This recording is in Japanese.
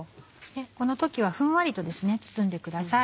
この時はふんわりと包んでください。